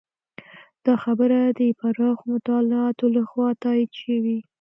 دا خبره د پراخو مطالعاتو لخوا تایید شوې.